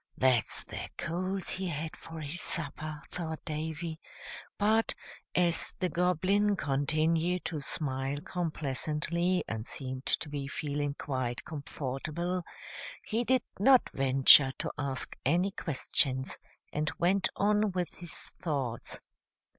"That's the coals he had for his supper," thought Davy; but, as the Goblin continued to smile complacently and seemed to be feeling quite comfortable, he did not venture to ask any questions, and went on with his thoughts.